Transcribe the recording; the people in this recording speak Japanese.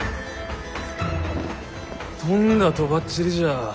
とんだとばっちりじゃ。